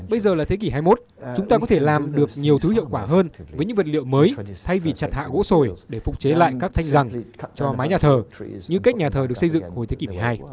bây giờ là thế kỷ hai mươi một chúng ta có thể làm được nhiều thứ hiệu quả hơn với những vật liệu mới thay vì chặt hạ gỗ sồi để phục chế lại các thanh răng cho mái nhà thờ như cách nhà thờ được xây dựng hồi thế kỷ một mươi hai